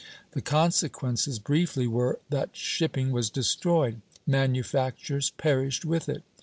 The consequences briefly were that shipping was destroyed; manufactures perished with it.